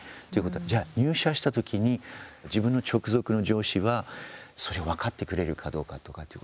じゃあ入社した時に自分の直属の上司はそれを分かってくれるかどうかとかっていう。